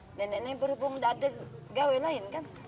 nenek nenek berhubung tidak ada gawai lain kan